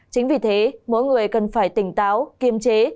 chính vì thế mỗi người cần phải tỉnh táo kiềm chế